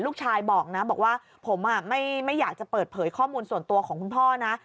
ลูกชายบอกนะบอกว่าผมไม่อยากจะเปิดเผยข้อมูลส่วนตัวของคุณพ่อนะ